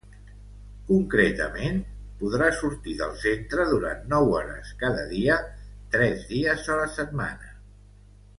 Concretament, podrà sortir del centre durant nou hores cada dia, tres dia la setmana.